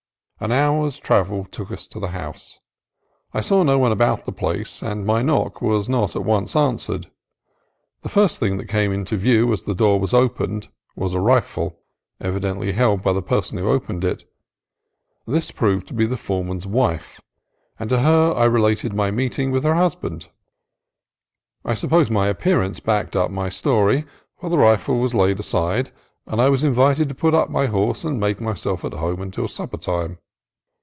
An hour's travel took us to the house. I saw no one about the place, and my knock was not at once answered. The first thing that came in view as the door was opened was a rifle, evidently held by the person who opened it. This proved to be the fore man's wife, and to her I related my meeting with her husband. I suppose my appearance backed up my story, for the rifle was laid aside and I was in vited to put up my horse and make myself at home until supper time.